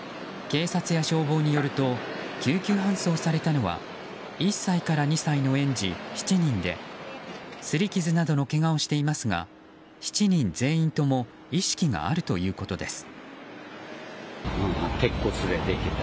警察や消防によると救急搬送されたのは１歳から２歳の園児７人で擦り傷などのけがをしていますが７人全員とも意識があるということです。